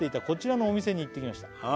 「こちらのお店に行ってきました」